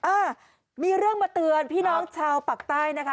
อ่ามีเรื่องมาเตือนพี่น้องชาวปากใต้นะคะ